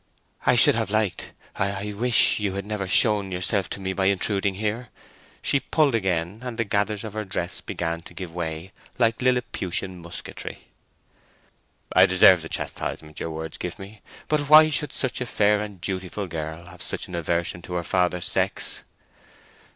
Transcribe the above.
"I should have liked—I wish—you had never shown yourself to me by intruding here!" She pulled again, and the gathers of her dress began to give way like liliputian musketry. "I deserve the chastisement your words give me. But why should such a fair and dutiful girl have such an aversion to her father's sex?"